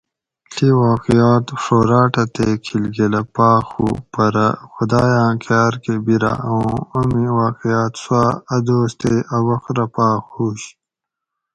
ڷی واقعات چھوراۤٹہ تے کھِل گۤلہ پاۤخ ہُو پرہ خُدائ آۤں کاۤر کہۤ بیراۤ اُوں اومی واۤقعاۤت سواۤ اۤ دوس تے اۤ وخت رہ پاۤخ ہُوش